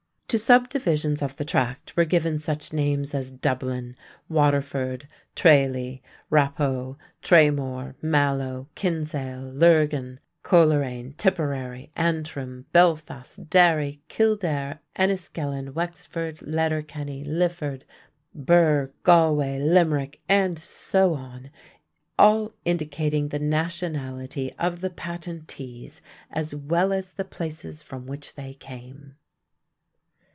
To subdivisions of the tract were given such names as Dublin, Waterford, Tralee, Raphoe, Tramore, Mallow, Kinsale, Lurgan, Coleraine, Tipperary, Antrim, Belfast, Derry, Kildare, Enniskillen, Wexford, Letterkenny, Lifford, Birr, Galway, Limerick, and so on, all indicating the nationality of the patentees, as well as the places from which they came.